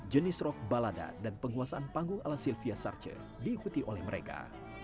jenis rock balada dan penguasaan panggung ala sylvia sarce diikuti oleh mereka